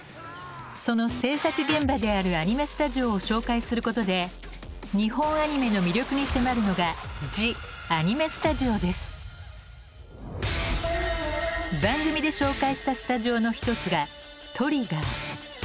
その制作現場であるアニメスタジオを紹介することで日本アニメの魅力に迫るのが番組で紹介したスタジオの一つが「ＴＲＩＧＧＥＲ」。